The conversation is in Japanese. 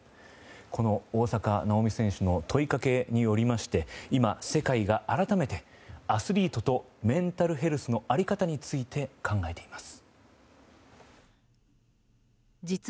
この大坂なおみ選手の問いかけによりまして今、世界が改めてアスリートとメンタルヘルスの在り方について考えています。